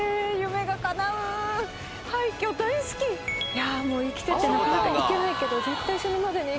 いや生きててなかなか行けないけど。